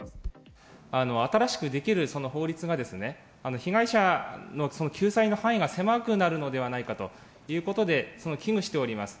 新しくできる法律が、被害者の救済の範囲が狭くなるのではないかということで、危惧しております。